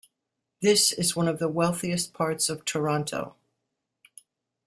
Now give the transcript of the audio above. This is one of the wealthiest parts of Toronto.